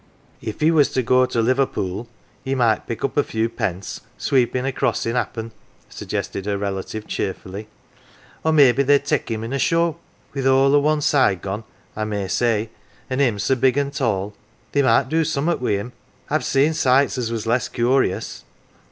" If he was to go to Liverpool he might pick up a few pence, sweeping a crossin', happen," suggested her relative cheerfully. " Or maybe they'd take him in a show wi' th' whole o' one side gone I may say, an' him so big an' tall, they might do summat wi' him. I've seen sights as was less curious.